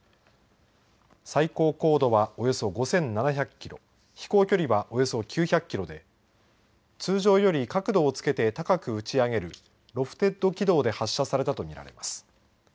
最高高度はおよそ５７００キロ飛行距離はおよそ９００キロで通常より角度を付けて高く打ち上げるロフテッド軌道で発射されたみられます。